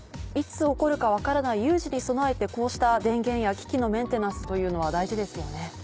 いつ起こるか分からない有事に備えてこうした電源や機器のメンテナンスというのは大事ですよね。